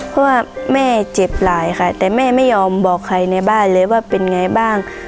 เพราะว่าแม่เจ็บหลายค่ะแต่แม่ไม่ยอมบอกใครในบ้านเลยว่าเป็นไงบ้าง